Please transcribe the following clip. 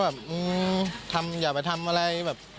ก็แบบต้องอย่าไปทำอะไร